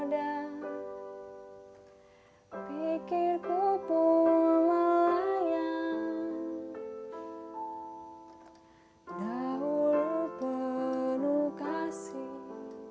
dahulu penuh kasih